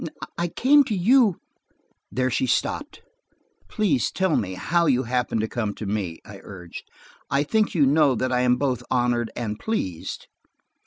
I came to you–" there she stopped. "Please tell me how you happened to come to me," I urged. "I think you know that I am both honored and pleased."